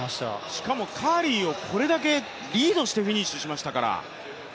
しかもカーリーをこれだけリードしてフィニッシュしましたから。